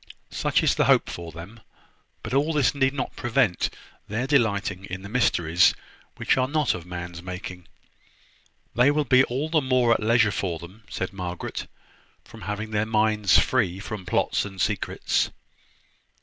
Such is my hope for them. But all this need not prevent their delighting in the mysteries which are not of man's making." "They will be all the more at leisure for them," said Margaret, "from having their minds free from plots and secrets."